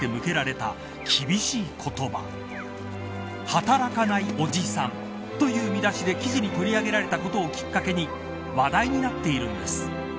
働かないおじさんという見出しで記事に取り上げられたことをきっかけに話題になっているんです。